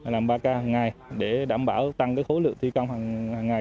làm ba k hằng ngày để đảm bảo tăng khối lượng thi công hằng ngày